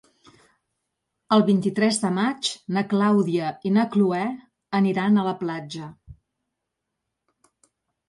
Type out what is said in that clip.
El vint-i-tres de maig na Clàudia i na Cloè aniran a la platja.